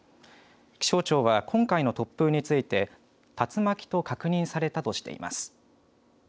気象庁は今回の突風について、竜巻と確認されたとしています。